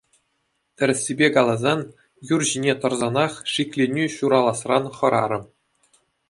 Тӗрӗссипе каласан, юр ҫине тӑрсанах шикленӳ ҫураласран хӑрарӑм.